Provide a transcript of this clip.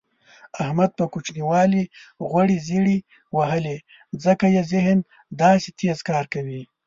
احمد په کوچینوالي غوړې زېړې وهلي ځکه یې ذهن داسې تېز کار کوي.